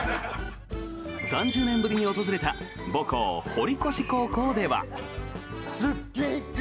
３０年ぶりに訪れた母校・堀越高校では。